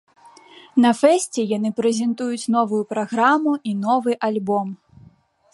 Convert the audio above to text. На фэсце яны прэзентуюць новую праграму і новы альбом!